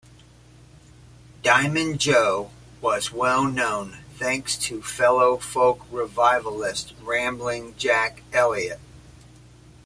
"Diamond Joe" was well-known thanks to fellow folk revivalist Ramblin' Jack Elliott.